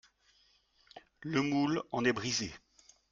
Le moule en est brise